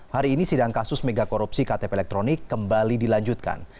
hari ini sidang kasus megakorupsi ktp elektronik kembali dilanjutkan